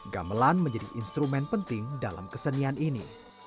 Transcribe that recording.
gamelan menjadi instrumen penting dalam kesenian ini